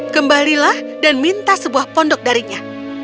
kembalilah dan minta sebuah pondok darinya